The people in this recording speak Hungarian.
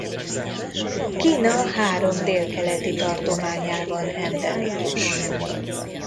Kína három délkeleti tartományában endemikus.